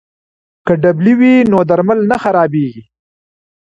که ډبلي وي نو درمل نه خرابېږي.